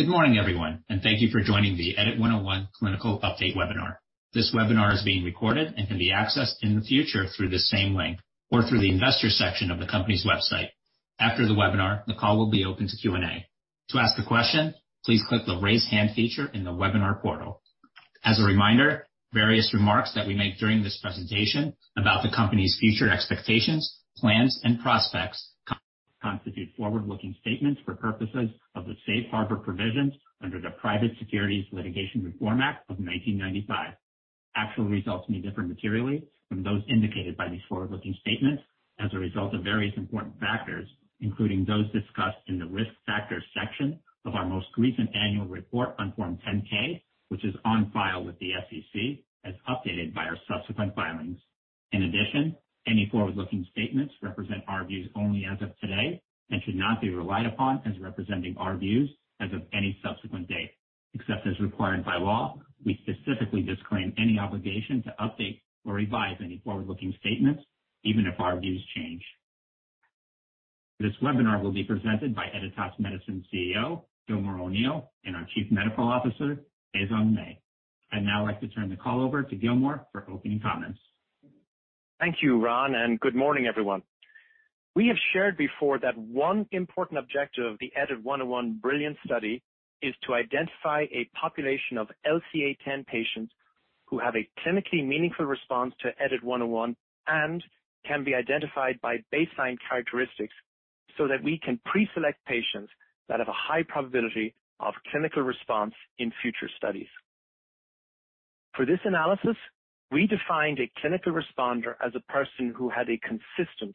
Good morning, everyone, and thank you for joining the EDIT-101 clinical update webinar. This webinar is being recorded and can be accessed in the future through the same link or through the investor section of the company's website. After the webinar, the call will be open to Q&A. To ask a question, please click the Raise Hand feature in the webinar portal. As a reminder, various remarks that we make during this presentation about the company's future expectations, plans, and prospects constitute forward-looking statements for purposes of the safe harbor provisions under the Private Securities Litigation Reform Act of 1995. Actual results may differ materially from those indicated by these forward-looking statements as a result of various important factors, including those discussed in the Risk Factors section of our most recent annual report on Form 10-K, which is on file with the SEC, as updated by our subsequent filings. In addition, any forward-looking statements represent our views only as of today and should not be relied upon as representing our views as of any subsequent date. Except as required by law, we specifically disclaim any obligation to update or revise any forward-looking statements, even if our views change. This webinar will be presented by Editas Medicine CEO, Gilmore O'Neill, and our Chief Medical Officer, Baisong Mei. I'd now like to turn the call over to Gilmore for opening comments. Thank you, Ron, and good morning, everyone. We have shared before that one important objective of the EDIT-101 BRILLIANCE study is to identify a population of LCA10 patients who have a clinically meaningful response to EDIT-101 and can be identified by baseline characteristics so that we can pre-select patients that have a high probability of clinical response in future studies. For this analysis, we defined a clinical responder as a person who had a consistent,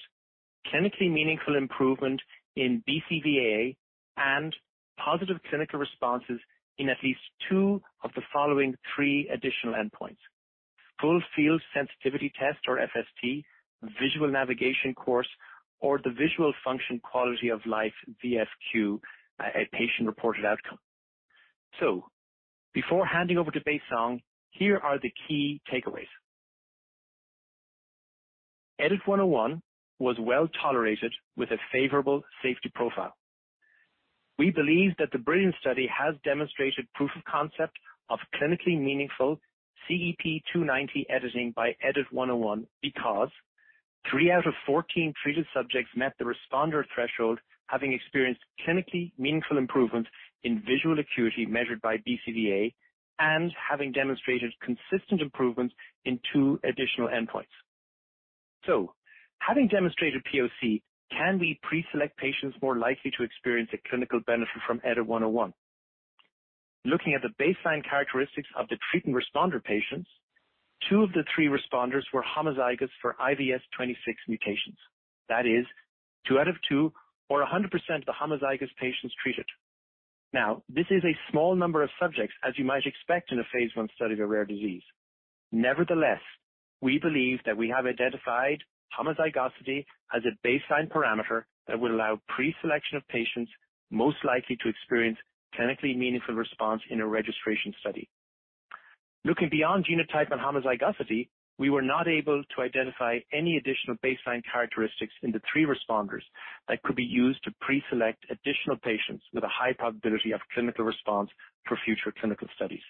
clinically meaningful improvement in BCVA and positive clinical responses in at least two of the following three additional endpoints, Full-Field Stimulus Test or FST, visual navigation course, or the visual function quality of life, VFQ, a patient-reported outcome. Before handing over to Baisong, here are the key takeaways. EDIT-101 was well-tolerated with a favorable safety profile. We believe that the BRILLIANCE study has demonstrated proof of concept of clinically meaningful CEP290 editing by EDIT-101 because three out of 14 treated subjects met the responder threshold, having experienced clinically meaningful improvement in visual acuity measured by BCVA and having demonstrated consistent improvements in two additional endpoints. Having demonstrated POC, can we pre-select patients more likely to experience a clinical benefit from EDIT-101? Looking at the baseline characteristics of the treatment responder patients, two of the three responders were homozygous for IVS26 mutations. That is two out of two or 100% of the homozygous patients treated. Now, this is a small number of subjects as you might expect in a phase I study of a rare disease. Nevertheless, we believe that we have identified homozygosity as a baseline parameter that will allow pre-selection of patients most likely to experience clinically meaningful response in a registration study. Looking beyond genotype and homozygosity, we were not able to identify any additional baseline characteristics in the three responders that could be used to pre-select additional patients with a high probability of clinical response for future clinical studies.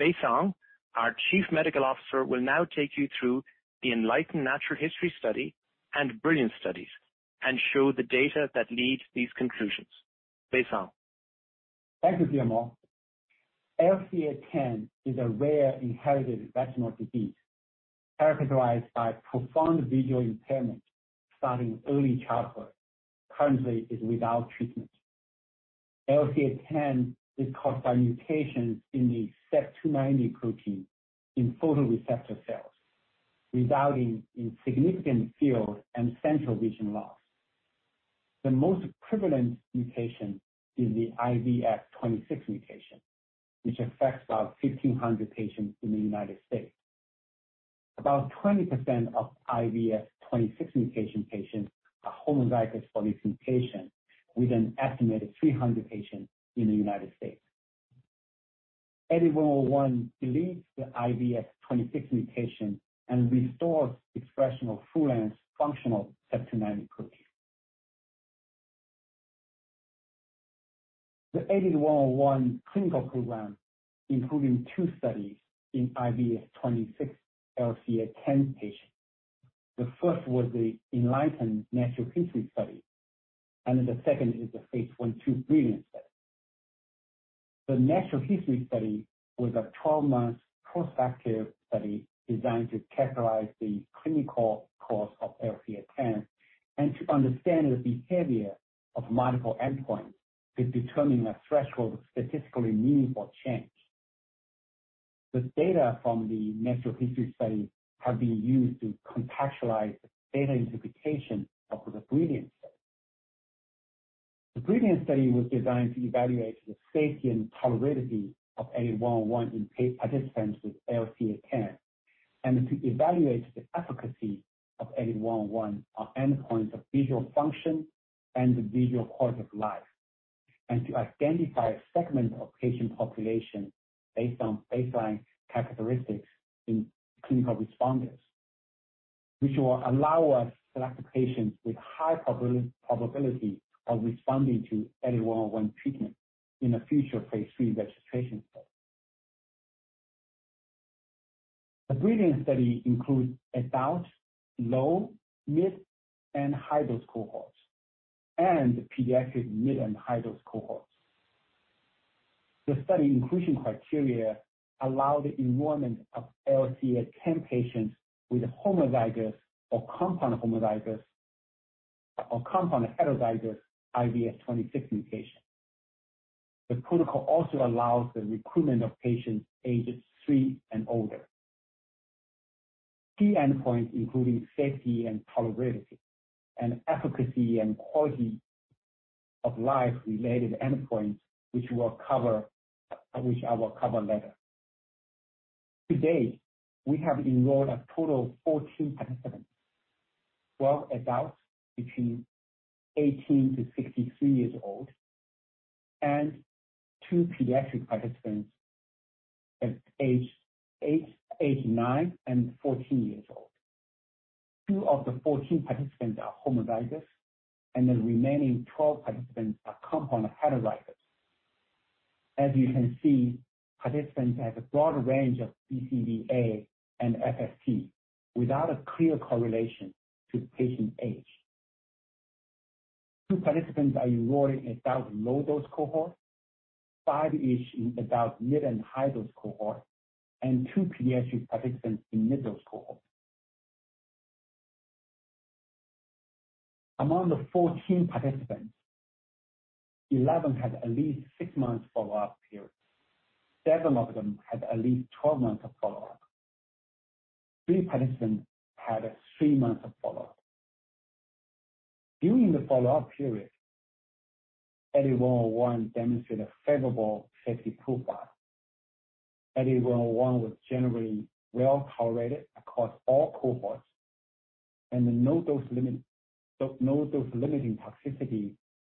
Baisong, our Chief Medical Officer, will now take you through the ENLIGHTEN Natural History Study and BRILLIANCE studies and show the data that lead these conclusions. Baisong. Thank you, Gilmore. LCA10 is a rare inherited retinal disease characterized by profound visual impairment starting in early childhood. Currently, it's without treatment. LCA10 is caused by mutations in the CEP290 protein in photoreceptor cells, resulting in significant field and central vision loss. The most prevalent mutation is the IVS26 mutation, which affects about 1,500 patients in the United States. About 20% of IVS26 mutation patients are homozygous for this mutation with an estimated 300 patients in the United States. EDIT-101 deletes the IVS26 mutation and restores expression of full-length functional CEP290 protein. The EDIT-101 clinical program, including two studies in IVS26 LCA10 patients. The first was the ENLIGHTEN Natural History study, and then the second is the phase 1/2 BRILLIANCE study. The Natural History Study was a 12-month prospective study designed to characterize the clinical course of LCA10 and to understand the behavior of multiple endpoints to determine a threshold of statistically meaningful change. The data from the Natural History Study have been used to contextualize the data interpretation of the BRILLIANCE study. The BRILLIANCE study was designed to evaluate the safety and tolerability of EDIT-101 in participants with LCA10, and to evaluate the efficacy of EDIT-101 on endpoints of visual function and visual quality of life, and to identify a segment of patient population based on baseline characteristics in clinical responders. Which will allow us to select patients with high probability of responding to EDIT-101 treatment in a future phase three registration study. The BRILLIANCE study includes adult low, mid, and high-dose cohorts, and pediatric mid and high-dose cohorts. The study inclusion criteria allow the enrollment of LCA10 patients with homozygous or compound heterozygous IVS 26 mutation. The protocol also allows the recruitment of patients ages 3 and older. Key endpoints including safety and tolerability, and efficacy and quality of life-related endpoints, which I will cover later. To date, we have enrolled a total of 14 participants, 12 adults between 18-63 years old, and 2 pediatric participants at age 9 and 14 years old. 2 of the 14 participants are homozygous, and the remaining 12 participants are compound heterozygous. As you can see, participants have a broad range of BCVA and FST without a clear correlation to patient age. 2 participants are enrolled in adult low-dose cohort, 5 each in adult mid and high-dose cohort, and 2 pediatric participants in mid-dose cohort. Among the 14 participants, 11 had at least six months follow-up period. Seven of them had at least 12 months of follow-up. Three participants had three months of follow-up. During the follow-up period, EDIT-101 demonstrated a favorable safety profile. EDIT-101 was generally well-tolerated across all cohorts, and no dose-limiting toxicity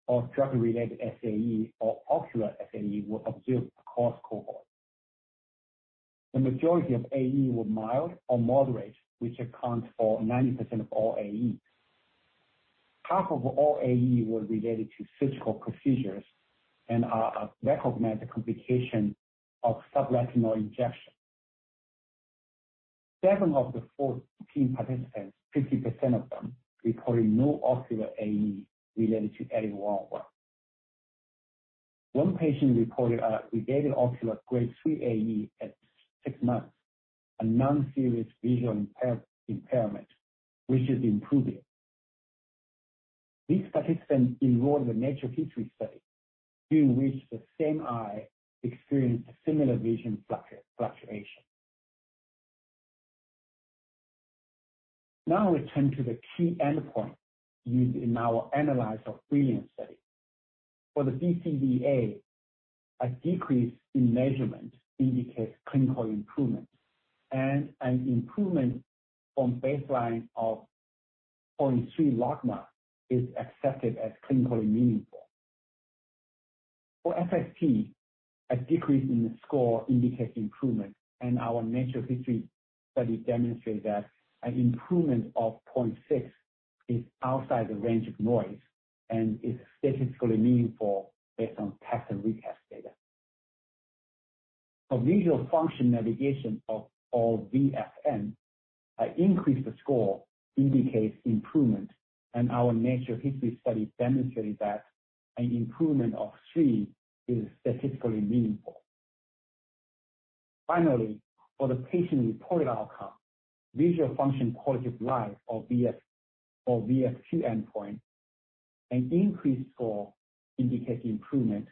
or drug-related SAE or ocular SAE were observed across cohorts. The majority of AE were mild or moderate, which accounts for 90% of all AEs. Half of all AE were related to surgical procedures and are a recognized complication of subretinal injection. Seven of the 14 participants, 50% of them, reported no ocular AE related to EDIT-101. One patient reported a related ocular grade three AE at six months, a non-serious vision impairment, which is improving. This participant enrolled in the Natural History Study, during which the same eye experienced a similar vision fluctuation. Now we turn to the key endpoint used in our analysis of BRILLIANCE study. For the BCVA, a decrease in measurement indicates clinical improvement, and an improvement from baseline of 0.3 logMAR is accepted as clinically meaningful. For FST, a decrease in the score indicates improvement, and our natural history study demonstrated that an improvement of 0.6 is outside the range of noise and is statistically meaningful based on test and retest data. For visual function navigation, or VFN, an increased score indicates improvement, and our natural history study demonstrated that an improvement of 3 is statistically meaningful. Finally, for the patient-reported outcome, visual function quality of life, or VFQ endpoint, an increased score indicates improvement,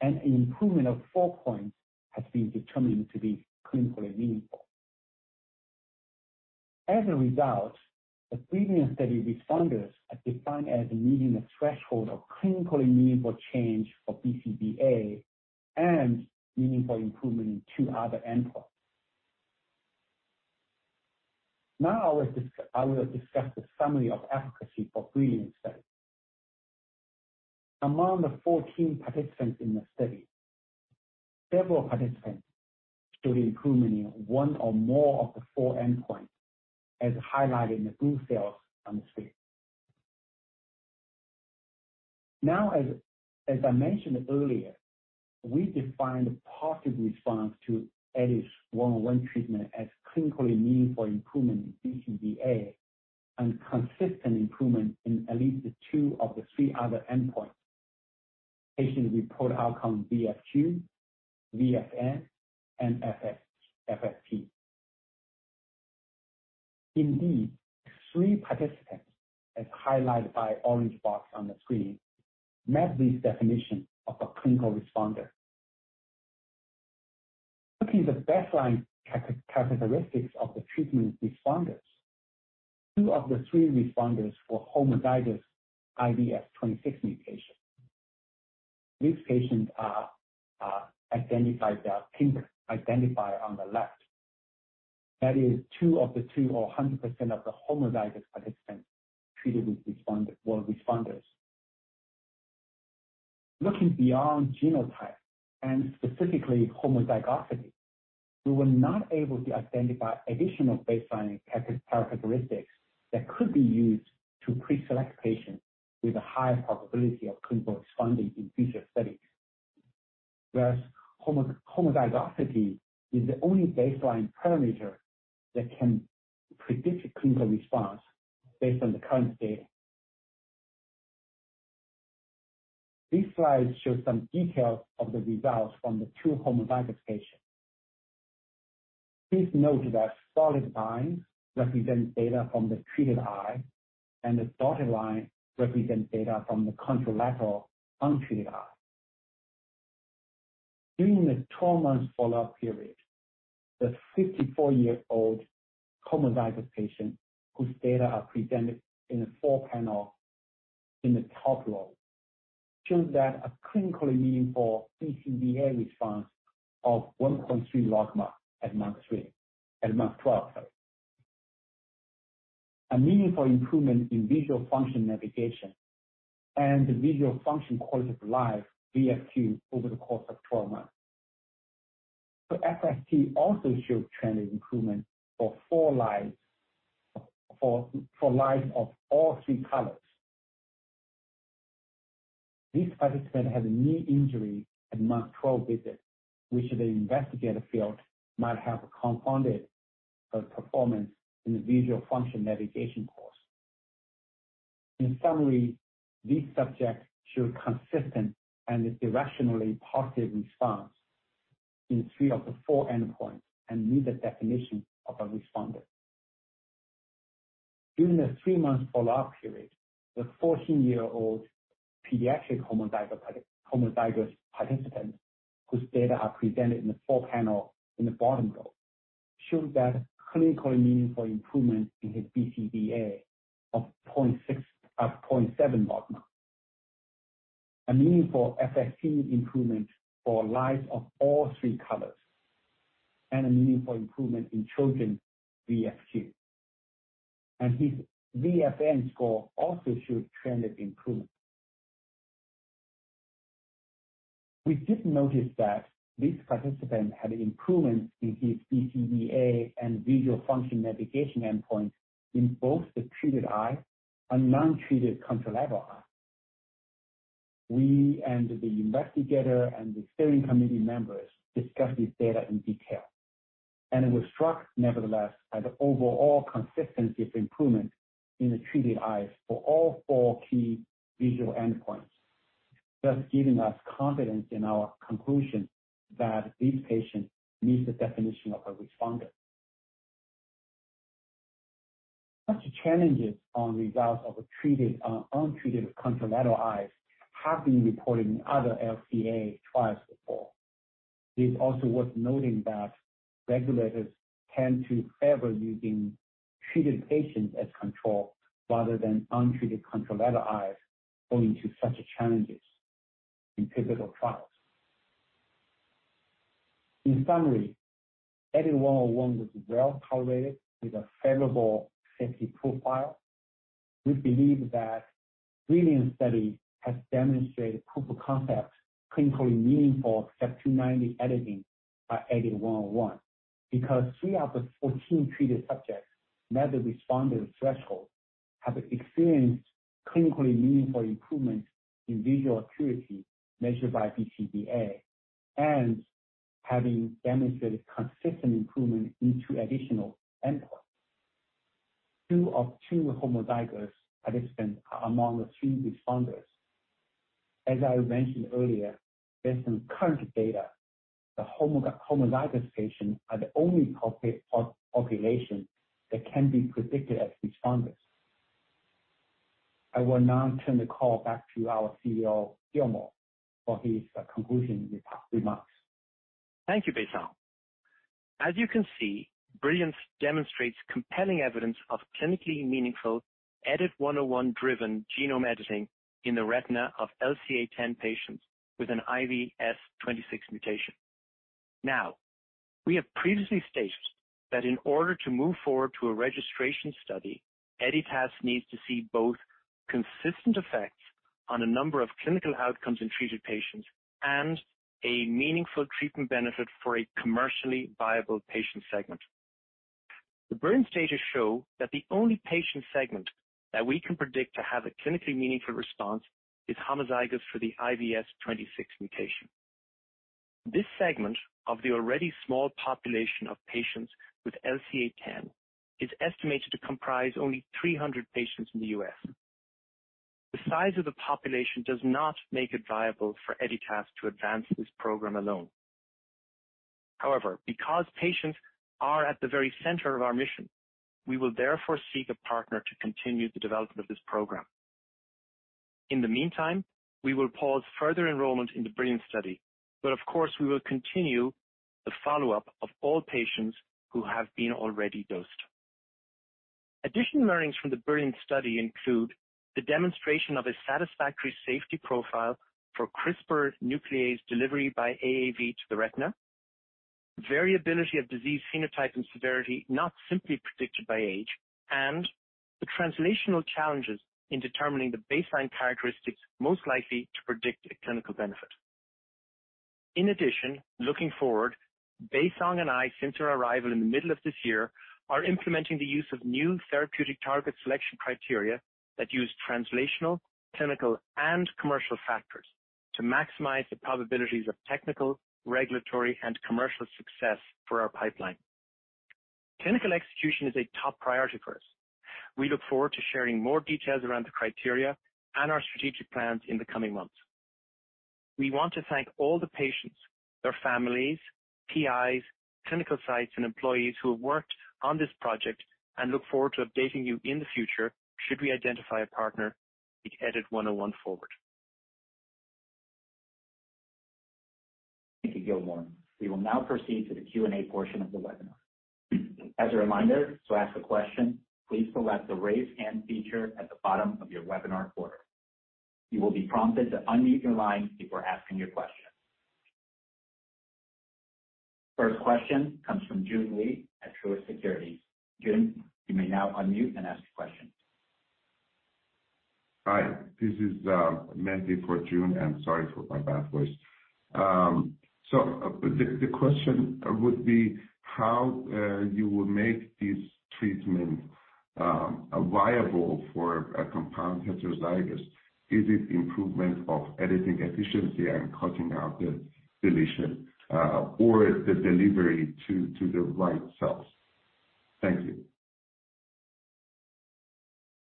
and an improvement of 4 points has been determined to be clinically meaningful. As a result, the BRILLIANCE study responders are defined as meeting the threshold of clinically meaningful change for BCVA and meaningful improvement in two other endpoints. Now I will discuss the summary of efficacy for BRILLIANCE study. Among the 14 participants in the study, several participants showed improvement in one or more of the four endpoints, as highlighted in the blue cells on the screen. Now, as I mentioned earlier, we define the positive response to EDIT-101 treatment as clinically meaningful improvement in BCVA and consistent improvement in at least two of the three other endpoints: patient-reported outcome VFQ, VFN, and FST. Indeed, three participants, as highlighted by orange box on the screen, met this definition of a clinical responder. Looking at the baseline characteristics of the treatment responders, two of the three responders were homozygous IVS26 mutation. These patients are identified there, pink identifier on the left. That is two of the two or 100% of the homozygous participants treated were responders. Looking beyond genotype and specifically homozygosity, we were not able to identify additional baseline characteristics that could be used to pre-select patients with a higher probability of clinical response in future studies. Whereas homozygosity is the only baseline parameter that can predict a clinical response based on the current data. These slides show some details of the results from the two homozygous patients. Please note that solid lines represent data from the treated eye, and the dotted line represents data from the contralateral untreated eye. During the 12-month follow-up period, the 54-year-old homozygous patient, whose data are presented in the four-panel in the top row, showed that a clinically meaningful BCVA response of 1.3 logMAR at month 12, sorry, a meaningful improvement in visual function navigation and the visual function quality of life, VFQ, over the course of 12 months. The FST also showed trend improvement for four lights of all three colors. This participant had a knee injury at month 12 visit, which the investigator felt might have confounded her performance in the visual function navigation course. In summary, this subject showed consistent and a directionally positive response in three of the four endpoints and meet the definition of a responder. During the three-month follow-up period, the 14-year-old pediatric homozygote, homozygous participant, whose data are presented in the four-panel in the bottom row, showed that clinically meaningful improvement in his BCVA of 0.6, of 0.7 logMAR. A meaningful FST improvement for lights of all three colors, and a meaningful improvement in children VFQ. His VFN score also showed trend improvement. We did notice that this participant had improvement in his BCVA and visual function navigation endpoint in both the treated eye and nontreated contralateral eye. We and the investigator and the steering committee members discussed this data in detail, and it was struck nevertheless by the overall consistency of improvement in the treated eyes for all four key visual endpoints, thus giving us confidence in our conclusion that this patient meets the definition of a responder. Such challenges on results of untreated contralateral eyes have been reported in other LCA trials before. It is also worth noting that regulators tend to favor using treated patients as control rather than untreated contralateral eyes owing to such challenges in pivotal trials. In summary, EDIT-101 was well-tolerated with a favorable safety profile. We believe that BRILLIANCE study has demonstrated proof of concept clinically meaningful CEP290 editing by EDIT-101 because three out of 14 treated subjects met the responder threshold, have experienced clinically meaningful improvement in visual acuity measured by BCVA, and having demonstrated consistent improvement in two additional endpoints. Two of two homozygous participants are among the three responders. As I mentioned earlier, based on current data, the homozygous patients are the only population that can be predicted as responders. I will now turn the call back to our CEO, Gilmore O'Neill, for his concluding remarks. Thank you, Baisong. As you can see, BRILLIANCE demonstrates compelling evidence of clinically meaningful EDIT-101-driven genome editing in the retina of LCA10 patients with an IVS26 mutation. Now, we have previously stated that in order to move forward to a registration study, Editas needs to see both consistent effects on a number of clinical outcomes in treated patients and a meaningful treatment benefit for a commercially viable patient segment. The BRILLIANCE data show that the only patient segment that we can predict to have a clinically meaningful response is homozygous for the IVS26 mutation. This segment of the already small population of patients with LCA10 is estimated to comprise only 300 patients in the U.S. The size of the population does not make it viable for Editas to advance this program alone. However, because patients are at the very center of our mission, we will therefore seek a partner to continue the development of this program. In the meantime, we will pause further enrollment in the BRILLIANCE study, but of course, we will continue the follow-up of all patients who have been already dosed. Additional learnings from the BRILLIANCE study include the demonstration of a satisfactory safety profile for CRISPR nuclease delivery by AAV to the retina, variability of disease phenotype and severity not simply predicted by age, and the translational challenges in determining the baseline characteristics most likely to predict a clinical benefit. In addition, looking forward, Baisong and I, since our arrival in the middle of this year, are implementing the use of new therapeutic target selection criteria that use translational, clinical, and commercial factors to maximize the probabilities of technical, regulatory, and commercial success for our pipeline. Clinical execution is a top priority for us. We look forward to sharing more details around the criteria and our strategic plans in the coming months. We want to thank all the patients, their families, PIs, clinical sites, and employees who have worked on this project and look forward to updating you in the future should we identify a partner to take EDIT-101 forward. Thank you, Gilmore. We will now proceed to the Q&A portion of the webinar. As a reminder, to ask a question, please select the Raise Hand feature at the bottom of your webinar portal. You will be prompted to unmute your line before asking your question. First question comes from Joon Lee at Truist Securities. Joon, you may now unmute and ask your question. Hi, this is Mandy for Joon, and sorry for my bad voice. The question would be how you would make this treatment viable for a compound heterozygous. Is it improvement of editing efficiency and cutting out the deletion or the delivery to the right cells? Thank you.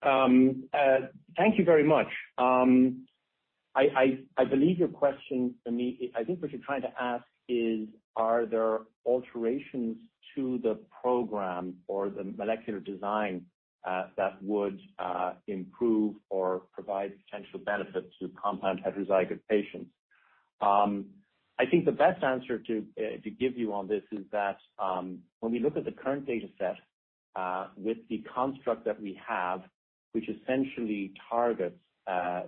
Thank you very much. I believe your question, for me, I think what you're trying to ask is, are there alterations to the program or the molecular design that would improve or provide potential benefit to compound heterozygous patients? I think the best answer to give you on this is that when we look at the current data set with the construct that we have, which essentially targets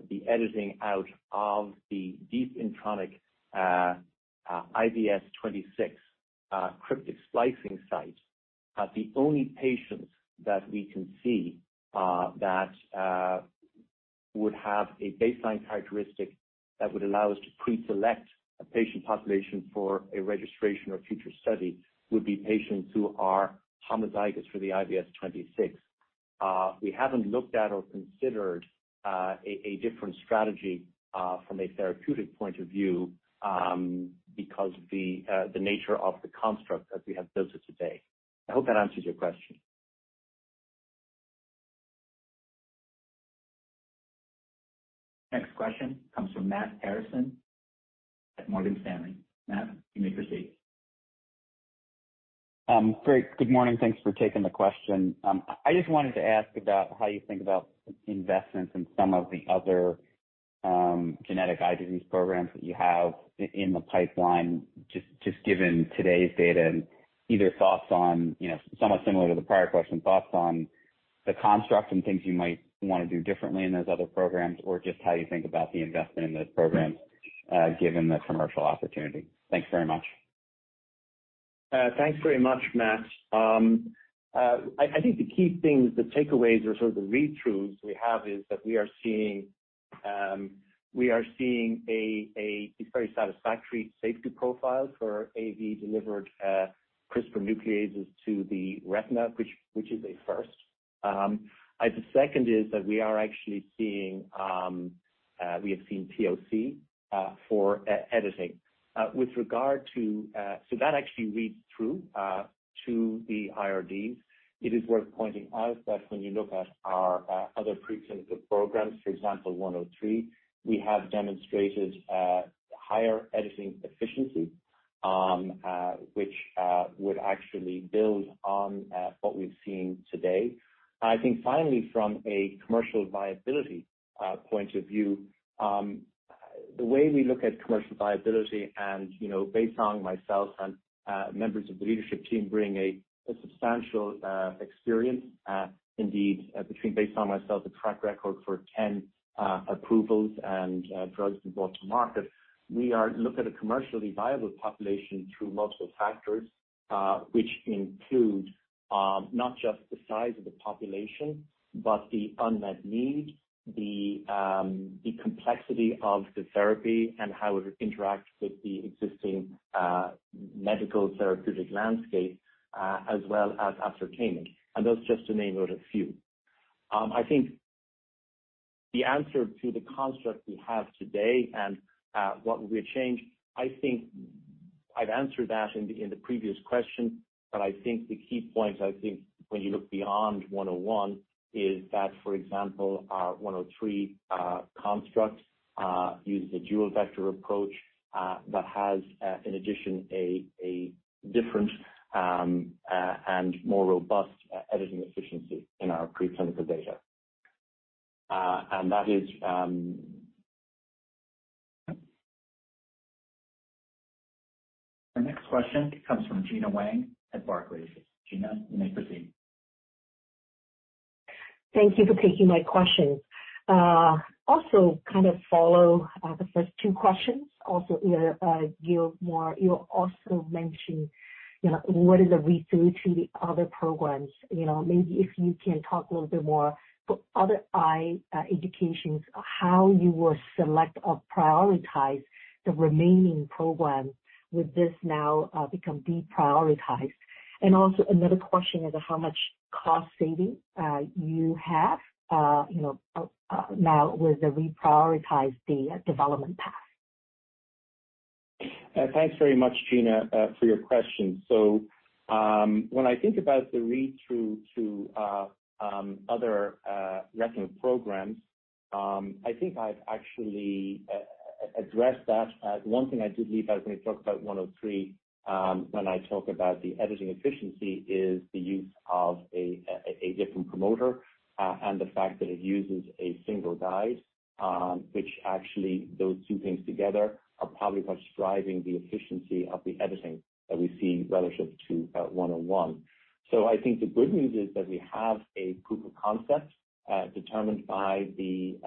the editing out of the deep intronic IVS 26 cryptic splicing site, the only patients that we can see that would have a baseline characteristic that would allow us to pre-select a patient population for a registration or future study would be patients who are homozygous for the IVS 26. We haven't looked at or considered a different strategy from a therapeutic point of view because the nature of the construct as we have built it today. I hope that answers your question. Next question comes from Matthew Harrison at Morgan Stanley. Matt, you may proceed. Great. Good morning. Thanks for taking the question. I just wanted to ask about how you think about investments in some of the other genetic eye disease programs that you have in the pipeline, just given today's data and either, you know, somewhat similar to the prior question, thoughts on the construct and things you might wanna do differently in those other programs or just how you think about the investment in those programs given the commercial opportunity. Thanks very much. Thanks very much, Matt. I think the key things, the takeaways or sort of the read-throughs we have is that we are seeing a very satisfactory safety profile for AAV-delivered CRISPR nucleases to the retina, which is a first. The second is that we have seen POC for editing. That actually reads through to the IRDs. It is worth pointing out that when you look at our other preclinical programs, for example, EDIT-103, we have demonstrated higher editing efficiency, which would actually build on what we've seen today. I think finally, from a commercial viability point of view, the way we look at commercial viability and, you know, Baisong Mei, myself, and members of the leadership team bring a substantial experience, indeed, between Baisong Mei and myself, a track record for 10 approvals and drugs we brought to market. We are looking at a commercially viable population through multiple factors which include not just the size of the population, but the unmet need, the complexity of the therapy and how it interacts with the existing medical therapeutic landscape, as well as ascertaining. Those just to name out a few. I think the answer to the construct we have today and what will we change, I think I've answered that in the previous question. I think the key points, I think when you look beyond 101 is that, for example, our 103 construct uses a dual vector approach that has in addition a different and more robust editing efficiency in our preclinical data. Our next question comes from Gena Wang at Barclays. Gena, you may proceed. Thank you for taking my question. Also kind of follow the first two questions. Also, you know, Gilmore, you also mentioned, you know, what is the read-through to the other programs, you know. Maybe if you can talk a little bit more for other eye indications, how you will select or prioritize the remaining programs with this now become deprioritized. Also another question is how much cost saving you have, you know, now with the reprioritized development path. Thanks very much, Gena, for your question. When I think about the read-through to other retinal programs, I think I've actually addressed that. One thing I did leave out when we talked about 103, when I talk about the editing efficiency, is the use of a different promoter and the fact that it uses a single guide, which actually those two things together are probably what's driving the efficiency of the editing that we see relative to 101. I think the good news is that we have a proof of concept determined by, you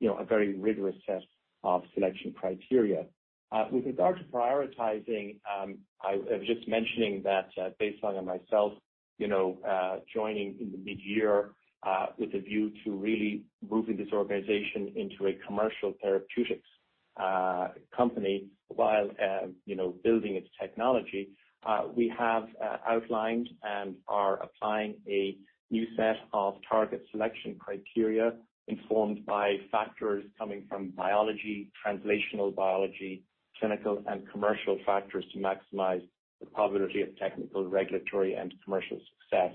know, a very rigorous test of selection criteria. With regard to prioritizing, I was just mentioning that, based on myself, you know, joining in the midyear, with a view to really moving this organization into a commercial therapeutics company while, you know, building its technology. We have outlined and are applying a new set of target selection criteria informed by factors coming from biology, translational biology, clinical and commercial factors to maximize the probability of technical, regulatory, and commercial success.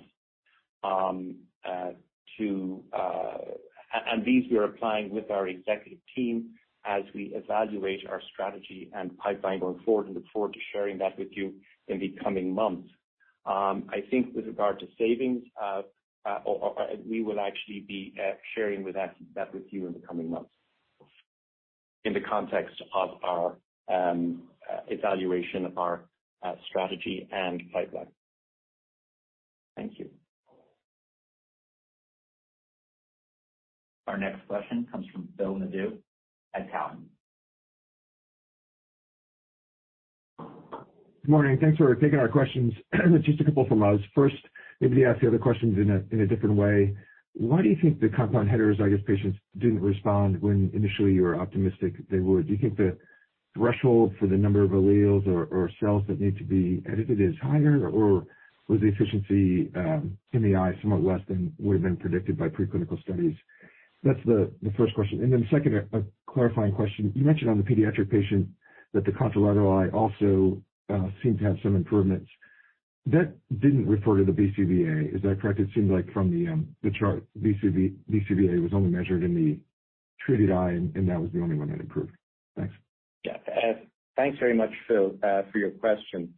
These we are applying with our executive team as we evaluate our strategy and pipeline going forward and look forward to sharing that with you in the coming months. I think with regard to savings, we will actually be sharing that with you in the coming months in the context of our evaluation of our strategy and pipeline. Thank you. Our next question comes from Phil Nadeau at TD Cowen. Good morning. Thanks for taking our questions. Just a couple from us. First, maybe ask the other questions in a different way. Why do you think the compound heterozygous patients didn't respond when initially you were optimistic they would? Do you think the threshold for the number of alleles or cells that need to be edited is higher? Was the efficiency in the eye somewhat less than would have been predicted by preclinical studies? That's the first question. Second, a clarifying question. You mentioned on the pediatric patient that the contralateral eye also seemed to have some improvements. That didn't refer to the BCVA. Is that correct? It seemed like from the chart, BCVA was only measured in the treated eye, and that was the only one that improved. Thanks. Yeah. Thanks very much, Phil, for your question.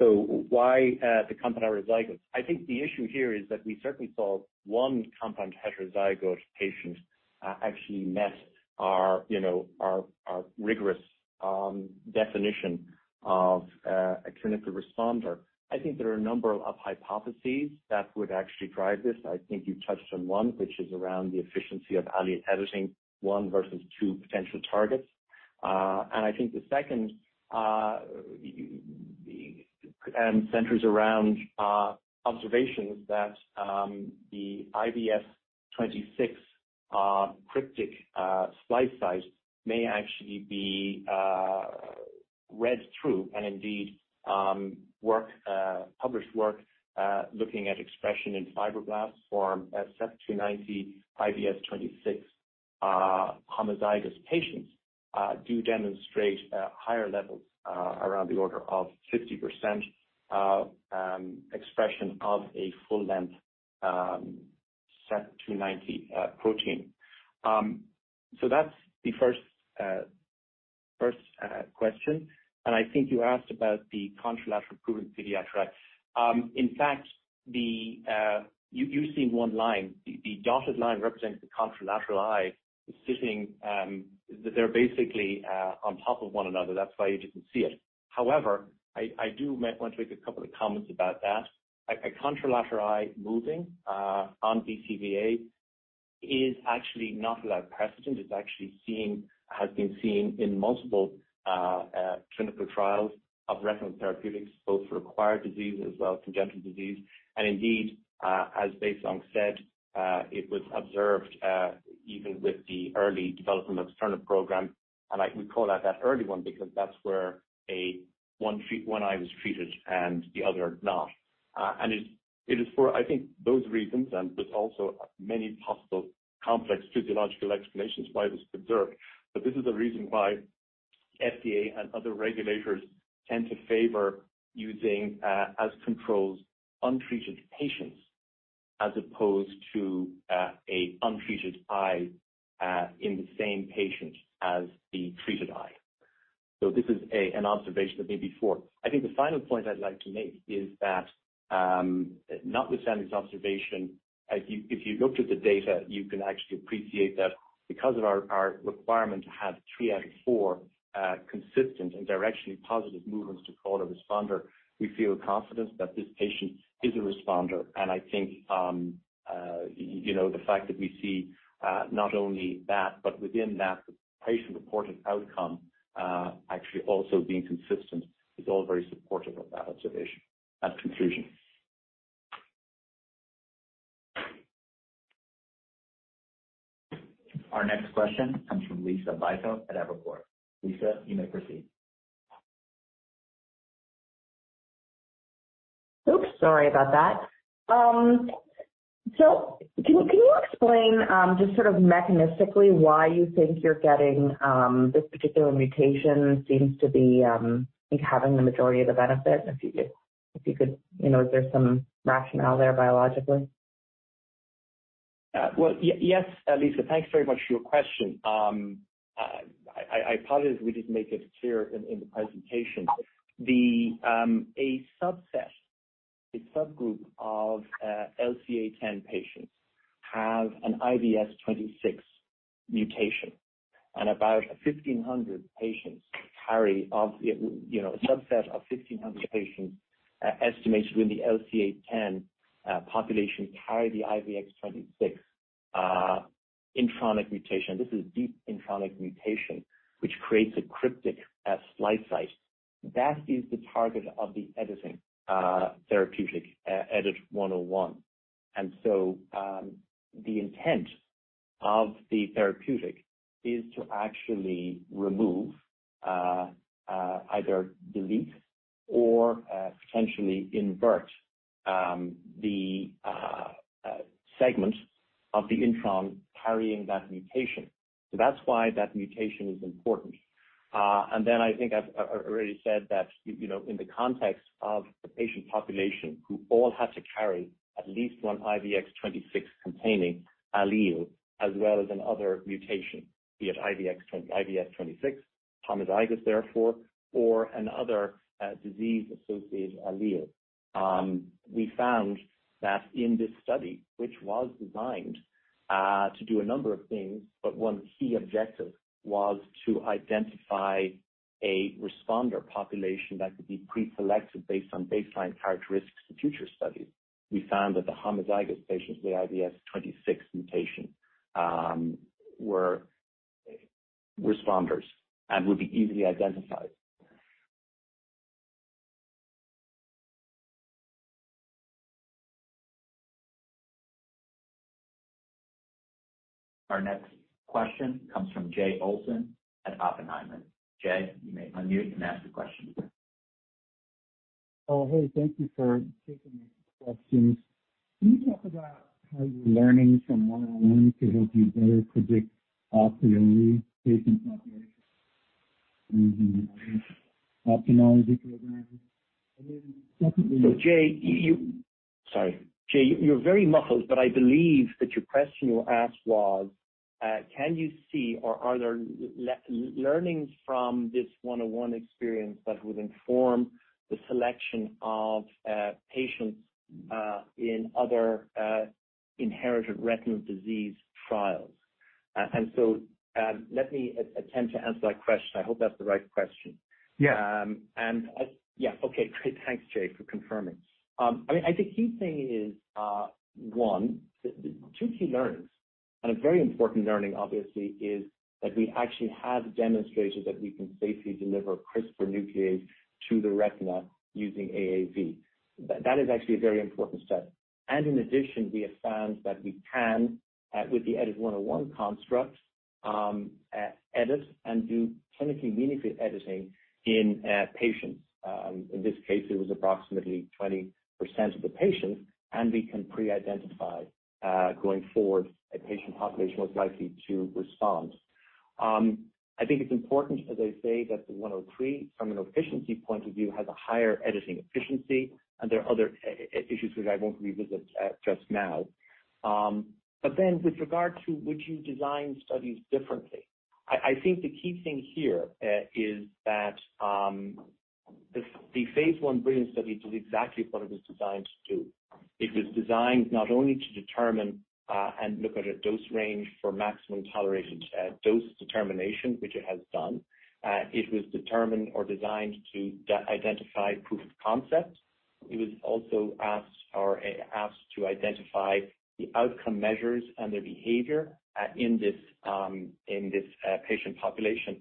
Why the compound heterozygotes? I think the issue here is that we certainly saw one compound heterozygote patient actually met our, you know, our rigorous definition of a clinical responder. I think there are a number of hypotheses that would actually drive this. I think you touched on one, which is around the efficiency of editing one versus two potential targets. I think the second centers around observations that the IVS26 cryptic splice site may actually be read through and indeed, published work looking at expression in fibroblasts for CEP290 IVS26 homozygous patients do demonstrate higher levels around the order of 50% expression of a full-length CEP290 protein. That's the first question. I think you asked about the contralateral improvement in pediatrics. In fact, you see 1 line. The dotted line represents the contralateral eye sitting, they're basically on top of 1 another. That's why you didn't see it. However, I do want to make a couple of comments about that. A contralateral eye moving on BCVA is actually not without precedent. It has been seen in multiple clinical trials of retinal therapeutics, both for acquired disease as well as congenital disease. Indeed, as Baisong said, it was observed even with the early development of ProQR Therapeutics. I would call out that early 1, because that's where 1 eye was treated and the other not. It is for, I think, those reasons and with also many possible complex physiological explanations why it was observed. This is the reason why FDA and other regulators tend to favor using as controls untreated patients as opposed to an untreated eye in the same patient as the treated eye. This is an observation that may be for. I think the final point I'd like to make is that, notwithstanding this observation, if you looked at the data, you can actually appreciate that because of our requirement to have three out of four consistent and directionally positive movements to call a responder, we feel confident that this patient is a responder. I think, you know, the fact that we see not only that, but within that, the patient-reported outcome actually also being consistent is all very supportive of that observation, that conclusion. Our next question comes from Liisa Bayko at Evercore. Liisa, you may proceed. Oops, sorry about that. Can you explain just sort of mechanistically why you think you're getting, this particular mutation seems to be, I think, having the majority of the benefit? If you could, you know, is there some rationale there biologically? Well, yes, Lisa, thanks very much for your question. I apologize if we didn't make it clear in the presentation. A subset, a subgroup of LCA 10 patients have an IVS26 mutation, and about 1,500 patients, you know, a subset of 1,500 patients estimated in the LCA 10 population carry the IVS26 intronic mutation. This is deep intronic mutation, which creates a cryptic splice site. That is the target of the editing therapeutic EDIT-101. The intent of the therapeutic is to actually remove, either delete or potentially invert, the segment of the intron carrying that mutation. That's why that mutation is important. I think I've already said that, you know, in the context of the patient population who all had to carry at least one IVS26 containing allele as well as another mutation, be it IVS26, homozygous therefore, or another disease-associated allele. We found that in this study, which was designed to do a number of things, but one key objective was to identify a responder population that could be pre-selected based on baseline characteristics for future studies. We found that the homozygous patients with IVS26 mutation were responders and would be easily identified. Our next question comes from Jay Olson at Oppenheimer. Jay, you may unmute and ask the question. Oh, hey. Thank you for taking the questions. Can you talk about how you're learning from 101 to help you better predict for your new patient population in the optimized program? Sorry. Jay, you're very muffled, but I believe that your question you asked was, can you see or are there learnings from this 101 experience that would inform the selection of patients in other inherited retinal disease trials? Let me attempt to answer that question. I hope that's the right question. Yeah. Yeah. Okay, great. Thanks, Jay, for confirming. I mean, I think key thing is two key learnings. A very important learning obviously is that we actually have demonstrated that we can safely deliver CRISPR nuclease to the retina using AAV. That is actually a very important step. In addition, we have found that we can, with the EDIT-101 construct, edit and do clinically meaningful editing in patients. In this case, it was approximately 20% of the patients, and we can pre-identify going forward a patient population most likely to respond. I think it's important to say that the EDIT-103 from an efficiency point of view, has a higher editing efficiency, and there are other issues which I won't revisit just now. With regard to would you design studies differently, I think the key thing here is that the phase 1 BRILLIANCE study did exactly what it was designed to do. It was designed not only to determine and look at a dose range for maximum tolerated dose determination, which it has done. It was determined or designed to identify proof of concept. It was also asked to identify the outcome measures and their behavior in this patient population.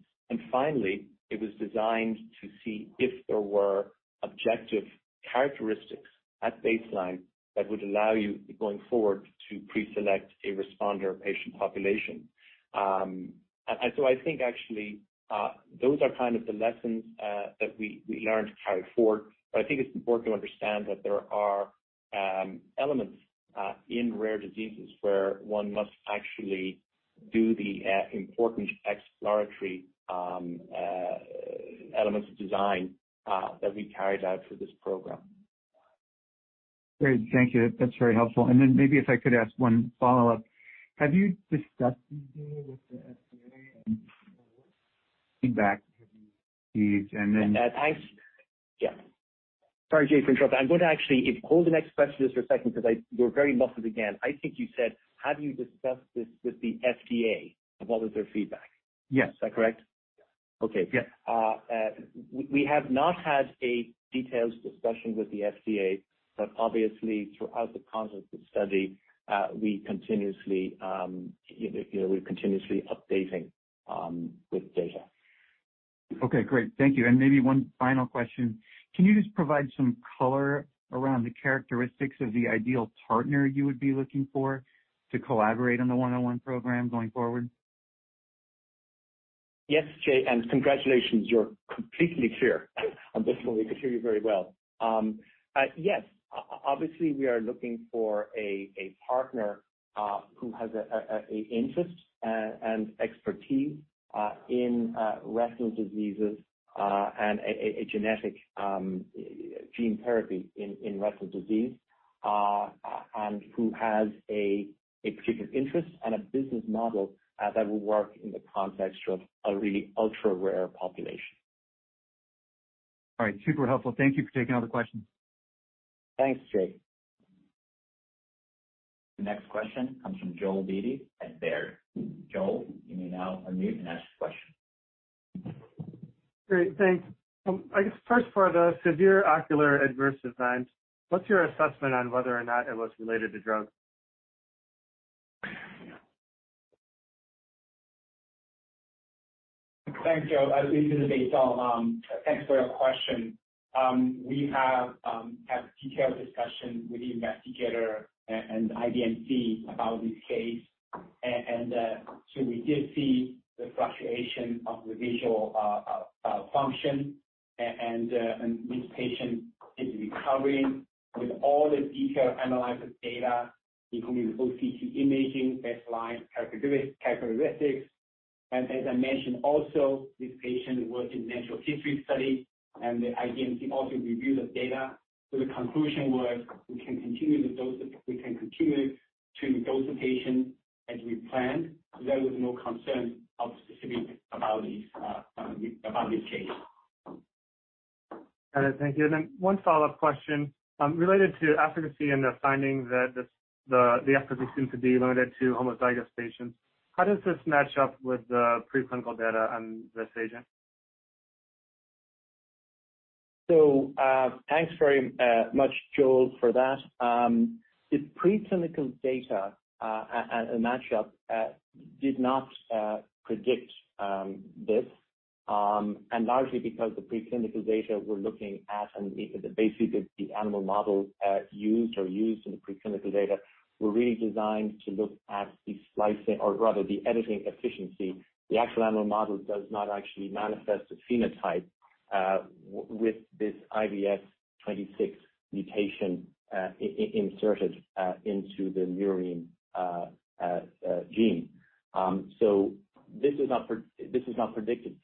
It was designed to see if there were objective characteristics at baseline that would allow you going forward to pre-select a responder patient population. I think actually those are kind of the lessons that we learned to carry forward. I think it's important to understand that there are elements in rare diseases where one must actually do the important exploratory elements of design that we carried out for this program. Great. Thank you. That's very helpful. Maybe if I could ask one follow-up. Have you discussed these data with the FDA and feedback have you received? Yeah, sorry, Jay, for interrupting. I'm going to actually hold the next question just for a second. You were very muffled again. I think you said, have you discussed this with the FDA, and what was their feedback? Yes. Is that correct? Yes. Okay. Yes. We have not had a detailed discussion with the FDA, but obviously, throughout the course of the study, you know, we're continuously updating with data. Okay, great. Thank you. Maybe one final question. Can you just provide some color around the characteristics of the ideal partner you would be looking for to collaborate on the 101 program going forward? Yes, Jay, and congratulations, you're completely clear on this one. We can hear you very well. Yes. Obviously, we are looking for a partner who has an interest and expertise in retinal diseases and a genetic gene therapy in retinal disease, and who has a particular interest and a business model that will work in the context of a really ultra-rare population. All right. Super helpful. Thank you for taking all the questions. Thanks, Jay. The next question comes from Joel Beatty at Baird. Joel, you may now unmute and ask your question. Great. Thanks. I guess first for the severe ocular adverse events, what's your assessment on whether or not it was related to drug? Thanks, Joel. This is Baisong. Thanks for your question. We have had detailed discussions with the investigator and IDMC about this case. We did see the fluctuation of the visual function, and this patient is recovering with all the detailed analysis data, including OCT imaging, baseline characteristics. As I mentioned also, this patient was in natural history study, and the IDMC also reviewed the data. The conclusion was we can continue to dose the patient as we planned. There was no concern of specific about this case. All right. Thank you. One follow-up question. Related to efficacy and the finding that the efficacy seemed to be limited to homozygous patients, how does this match up with the preclinical data on this agent? Thanks very much, Joel, for that. The preclinical data and models did not predict this, and largely because the preclinical data we're looking at and basically the animal models used in the preclinical data were really designed to look at the splicing or rather the editing efficiency. The actual animal model does not actually manifest the phenotype with this IVS 26 mutation inserted into the murine gene. This was not predicted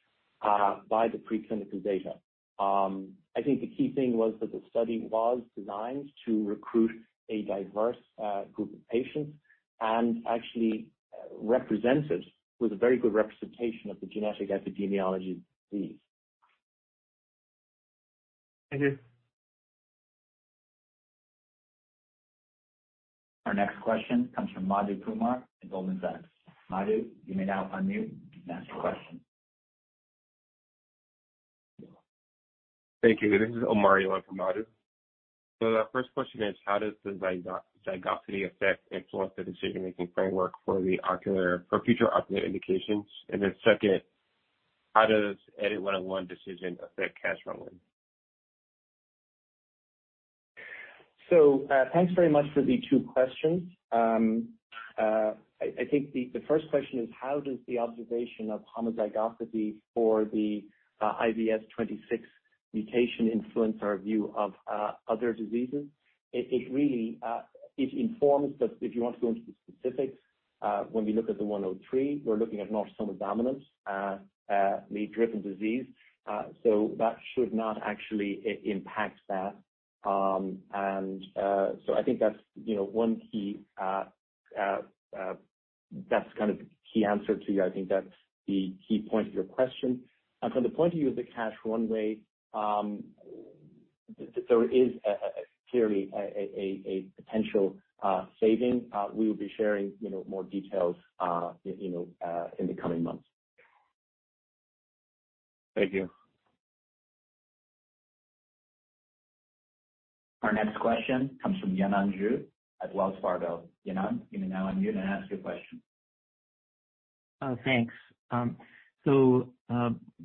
by the preclinical data. I think the key thing was that the study was designed to recruit a diverse group of patients and actually represented with a very good representation of the genetic epidemiology disease. Thank you. Our next question comes from Madhu Kumar at Goldman Sachs. Madhu, you may now unmute and ask your question. Thank you. This is Omari in for Madhu. The first question is, how does the zygosity influence the decision-making framework for future ocular indications? Second, how does EDIT-101 decision affect cash run rate? Thanks very much for the two questions. I think the first question is how does the observation of homozygosity for the IVS26 mutation influence our view of other diseases? It really informs that if you want to go into the specifics, when we look at the 103, we're looking at autosomal dominant allele-driven disease. That should not actually impact that. I think that's, you know, kind of the key answer to you. I think that's the key point to your question. From the point of view of the cash runway, there is clearly a potential saving. We will be sharing, you know, more details, you know, in the coming months. Thank you. Our next question comes from Yanan Zhu at Wells Fargo. Yanan, you may now unmute and ask your question. Thanks.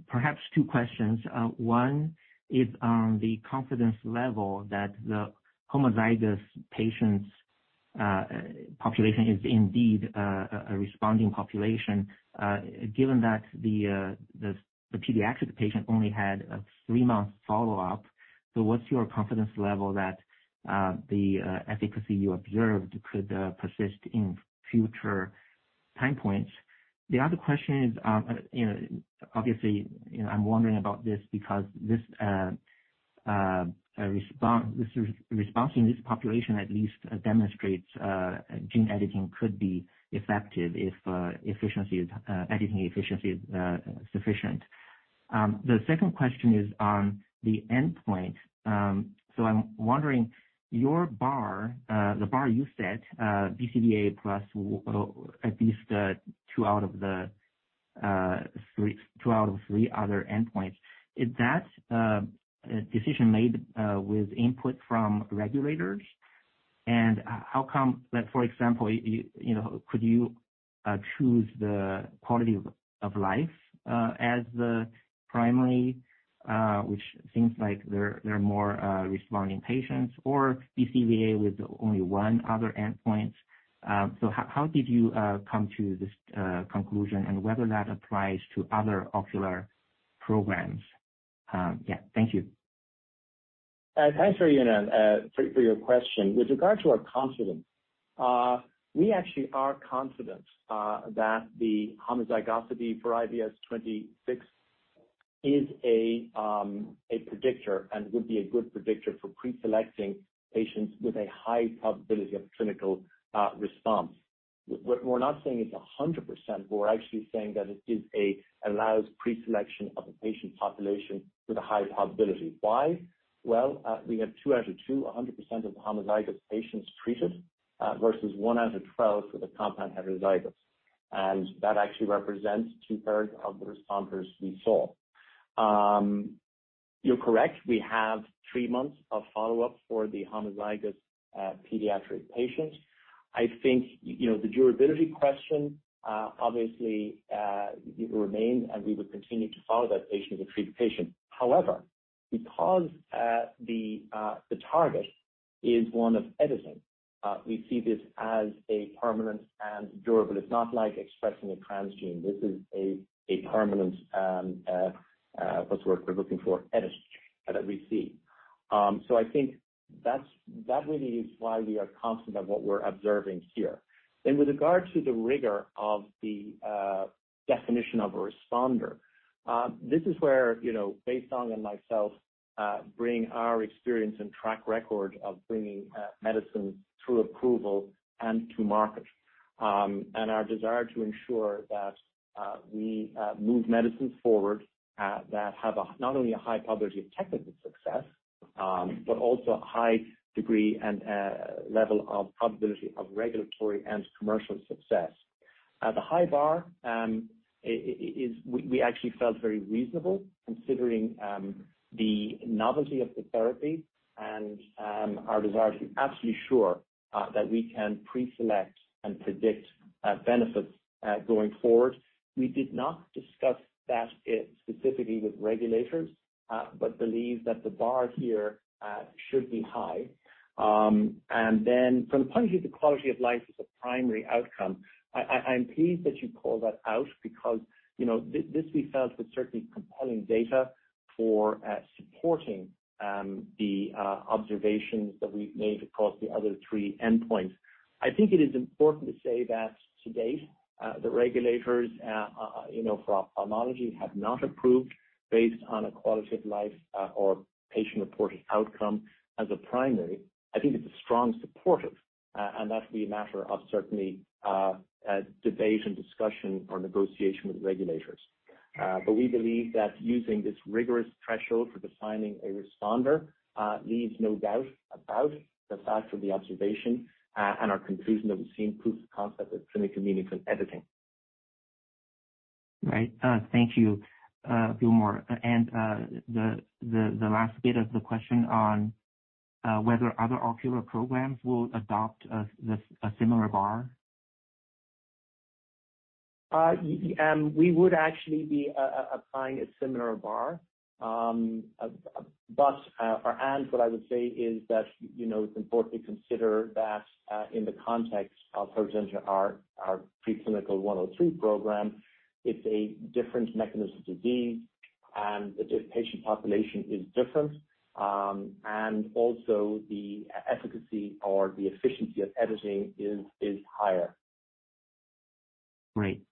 Perhaps two questions. One is on the confidence level that the homozygous patients population is indeed a responding population, given that the pediatric patient only had a three-month follow-up. What's your confidence level that the efficacy you observed could persist in future time points? The other question is, you know, obviously, you know, I'm wondering about this because this response in this population at least demonstrates gene editing could be effective if editing efficiency is sufficient. The second question is on the endpoint. I'm wondering your bar, the bar you set, BCVA plus at least two out of the three other endpoints. Is that decision made with input from regulators? For example, you know, could you choose the quality of life as the primary, which seems like there are more responding patients or BCVA with only one other endpoint? How did you come to this conclusion and whether that applies to other ocular programs? Yeah, thank you. Thanks for, you know, your question. With regard to our confidence, we actually are confident that the homozygosity for IVS26 is a predictor and would be a good predictor for pre-selecting patients with a high probability of clinical response. We're not saying it's 100%, but we're actually saying that it allows pre-selection of a patient population with a high probability. Why? Well, we have two out of two, 100% of the homozygous patients treated versus one out of 12 for the compound heterozygous. That actually represents two-thirds of the responders we saw. You're correct. We have three months of follow-up for the homozygous pediatric patients. I think, you know, the durability question, obviously, it remains, and we would continue to follow that patient and treat the patient. However, because the target is one of editing, we see this as a permanent and durable. It's not like expressing a transgene. This is a permanent, what's the word we're looking for, edit that we see. I think that really is why we are confident of what we're observing here. With regard to the rigor of the definition of a responder, this is where, you know, Baisong and myself bring our experience and track record of bringing medicine through approval and to market. Our desire to ensure that we move medicines forward that have not only a high probability of technical success, but also a high degree and level of probability of regulatory and commercial success. The high bar actually felt very reasonable considering the novelty of the therapy and our desire to be absolutely sure that we can pre-select and predict benefits going forward. We did not discuss that specifically with regulators but believe that the bar here should be high. From the point of view, the quality of life is a primary outcome. I'm pleased that you call that out because, you know, this we felt was certainly compelling data for supporting the observations that we made across the other three endpoints. I think it is important to say that to date, the regulators, you know, for ophthalmology have not approved based on a quality of life or patient-reported outcome as a primary. I think it's a strong supportive, and that'll be a matter of certainly debate and discussion or negotiation with regulators. We believe that using this rigorous threshold for defining a responder leaves no doubt about the fact of the observation and our conclusion that we've seen proof of concept of clinically meaningful editing. Right. Thank you. A few more. The last bit of the question on whether other ocular programs will adopt a similar bar. We would actually be applying a similar bar. What I would say is that, you know, it's important to consider that in the context of Usher syndrome, our preclinical 103 program, it's a different mechanism of disease, and the patient population is different. Also the efficacy or the efficiency of editing is higher. Great.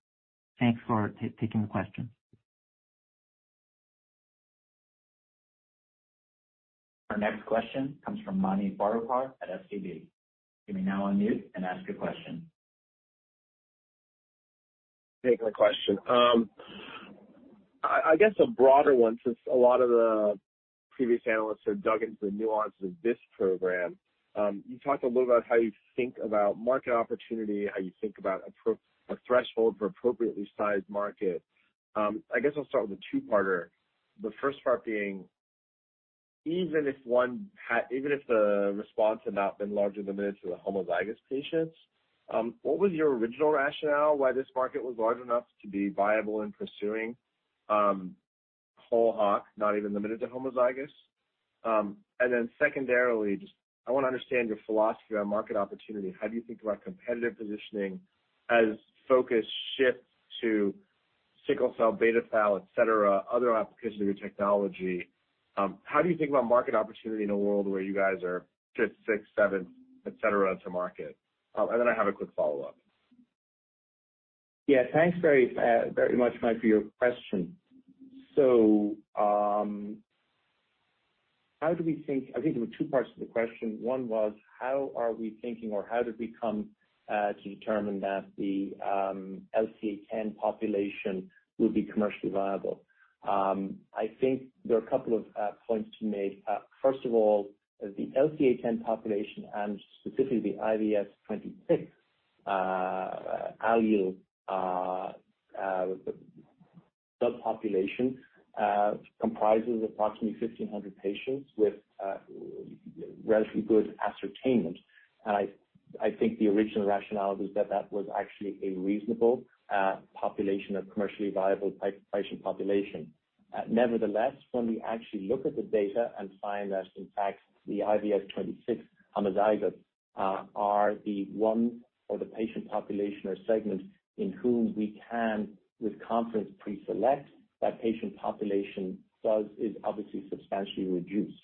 Thanks for taking the question. Our next question comes from Mani Foroohar at SVB. You may now unmute and ask your question. Taking the question, I guess a broader one, since a lot of the previous analysts have dug into the nuances of this program. You talked a little about how you think about market opportunity, how you think about a threshold for appropriately sized market. I guess I'll start with a two-parter, the first part being, even if the response had not been larger than this to the homozygous patients, what was your original rationale why this market was large enough to be viable in pursuing whole hog, not even limited to homozygous? Secondarily, just I wanna understand your philosophy on market opportunity. Sickle cell, beta thalassemia, etc., other applications of your technology, how do you think about market opportunity in a world where you guys are just six, seven, etc., to market? I have a quick follow-up. Yeah. Thanks very much, Mike, for your question. I think there were two parts to the question. One was, how are we thinking or how did we come to determine that the LCA10 population will be commercially viable? I think there are a couple of points to make. First of all, the LCA10 population and specifically the IVS26 allele subpopulation comprises approximately 1,500 patients with relatively good ascertainment. I think the original rationale was that that was actually a reasonable population, a commercially viable type patient population. Nevertheless, when we actually look at the data and find that in fact the IVS26 homozygous are the ones or the patient population or segment in whom we can with confidence pre-select, that patient population is obviously substantially reduced.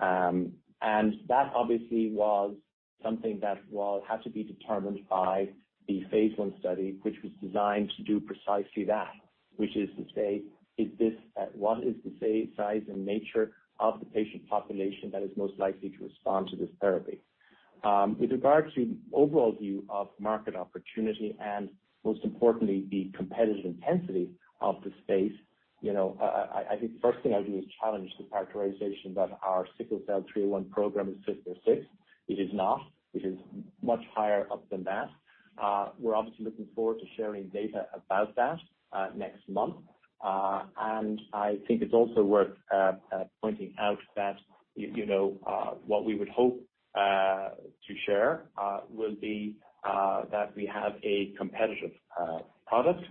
That obviously was something that will have to be determined by the phase I study, which was designed to do precisely that, which is to say, what is the size and nature of the patient population that is most likely to respond to this therapy? With regard to overall view of market opportunity and most importantly, the competitive intensity of the space, you know, I think first thing I do is challenge the characterization that our sickle cell EDIT-301 program is 50 or six. It is not. It is much higher up than that. We're obviously looking forward to sharing data about that next month. I think it's also worth pointing out that, you know, what we would hope to share will be that we have a competitive product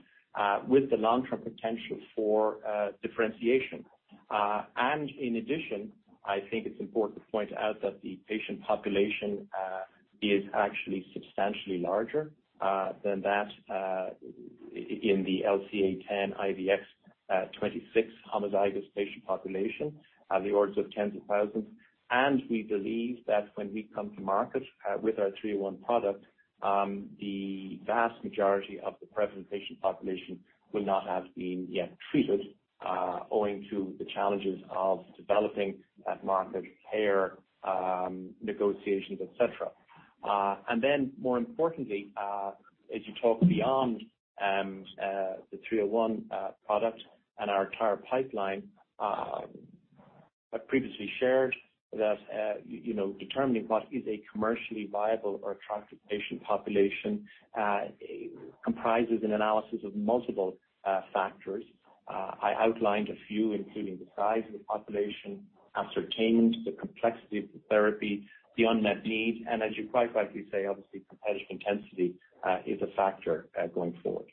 with the long-term potential for differentiation. In addition, I think it's important to point out that the patient population is actually substantially larger than that in the LCA10 IVS26 homozygous patient population on the orders of tens of thousands. We believe that when we come to market with our EDIT-301 product, the vast majority of the present patient population will not have been yet treated, owing to the challenges of developing that managed care, negotiations, etc. More importantly, as you talk beyond the 301 product and our entire pipeline, I previously shared that, you know, determining what is a commercially viable or attractive patient population comprises an analysis of multiple factors. I outlined a few, including the size of the population, ascertainment, the complexity of the therapy, the unmet need, and as you quite rightly say, obviously competitive intensity is a factor going forward.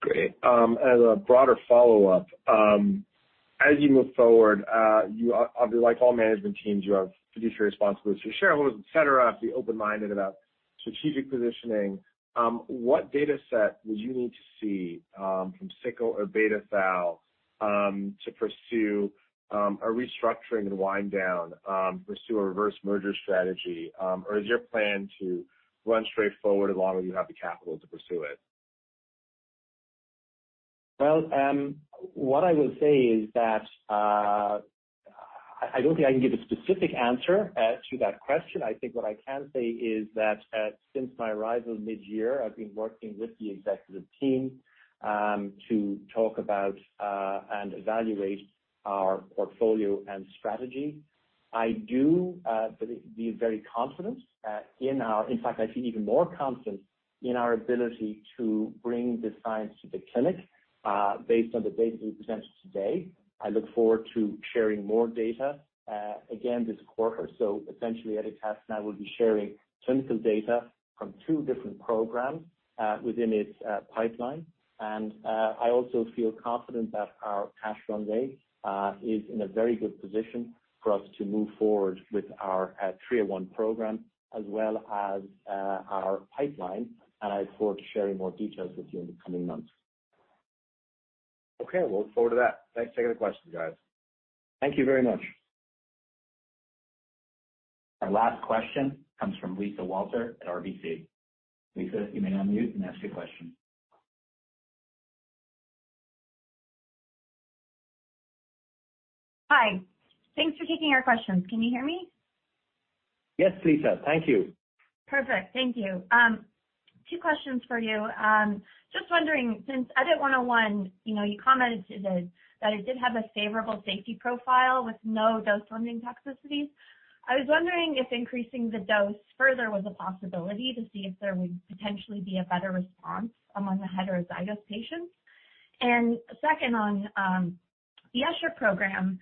Great. As a broader follow-up, as you move forward, obviously, like all management teams, you have fiduciary responsibilities to your shareholders, etc. You have to be open-minded about strategic positioning. What data set would you need to see from sickle or beta thalassemia to pursue a restructuring and wind down, pursue a reverse merger strategy? Is your plan to run straight forward as long as you have the capital to pursue it? Well, what I will say is that I don't think I can give a specific answer to that question. I think what I can say is that since my arrival mid-year, I've been working with the executive team to talk about and evaluate our portfolio and strategy. In fact, I feel even more confident in our ability to bring the science to the clinic based on the data we presented today. I look forward to sharing more data again this quarter. Essentially, Editas now will be sharing clinical data from two different programs within its pipeline. I also feel confident that our cash runway is in a very good position for us to move forward with our 301 program as well as our pipeline. I look forward to sharing more details with you in the coming months. Okay. We'll look forward to that. Thanks for taking the question, guys. Thank you very much. Our last question comes from Lisa Walter at RBC. Lisa, you may unmute and ask your question. Hi. Thanks for taking our questions. Can you hear me? Yes, Lisa. Thank you. Perfect. Thank you. Two questions for you. Just wondering, since EDIT-101, you know, you commented that it did have a favorable safety profile with no dose-limiting toxicities, I was wondering if increasing the dose further was a possibility to see if there would potentially be a better response among the heterozygous patients. Second, on the Usher program,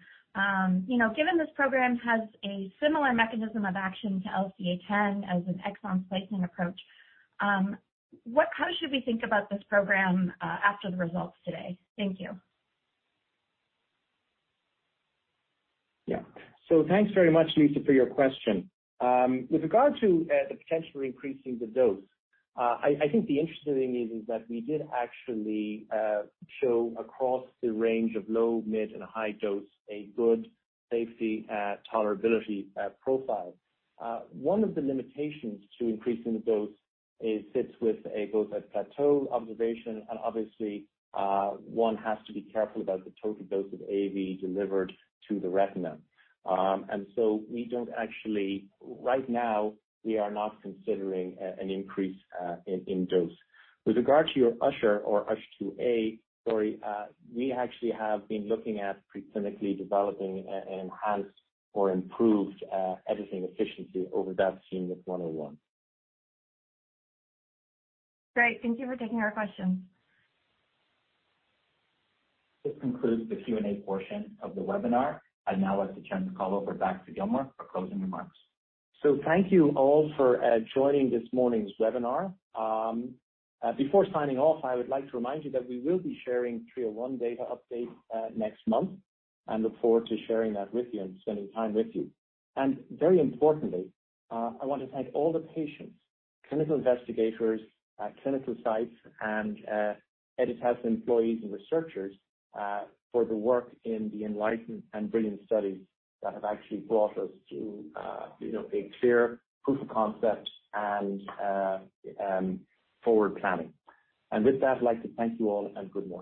you know, given this program has a similar mechanism of action to LCA10 as an exon-splicing approach, how should we think about this program after the results today? Thank you. Yeah. Thanks very much, Lisa, for your question. With regard to the potential for increasing the dose, I think the interesting thing is that we did actually show across the range of low, mid, and high dose a good safety, tolerability profile. One of the limitations to increasing the dose, it sits with a dose at plateau observation, and obviously, one has to be careful about the total dose of AAV delivered to the retina. Right now we are not considering an increase in dose. With regard to your Usher or USH2A, sorry, we actually have been looking at pre-clinically developing enhanced or improved editing efficiency over that seen with 101. Great. Thank you for taking our questions. This concludes the Q&A portion of the webinar. I'd now like to turn the call over back to Gilmore for closing remarks. Thank you all for joining this morning's webinar. Before signing off, I would like to remind you that we will be sharing 301 data update next month and look forward to sharing that with you and spending time with you. Very importantly, I want to thank all the patients, clinical investigators, clinical sites and Editas' employees and researchers for the work in the ENLIGHTEN and BRILLIANCE studies that have actually brought us to, you know, a clear proof of concept and forward planning. With that, I'd like to thank you all, and good morning.